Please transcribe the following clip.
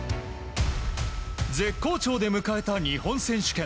絶好調で迎えた日本選手権。